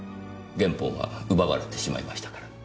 原本は奪われてしまいましたから。